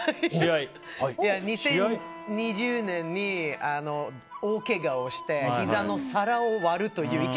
２０２０年に、大けがをしてひざの皿を割るという。